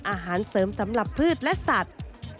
อาหารเสริมสำหรับพืชและสัตว์